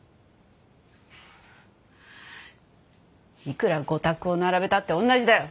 いくら御託を並べたって同じだよ。